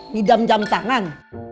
nidam jam tangan